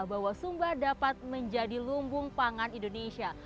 bahwa sumba dapat menjadi lumbung pangan indonesia